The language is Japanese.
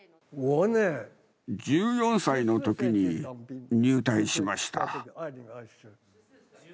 １４歳のときに入隊しました。